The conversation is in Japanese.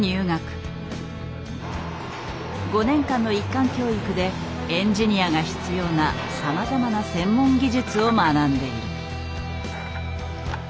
５年間の一貫教育でエンジニアが必要なさまざまな専門技術を学んでいる。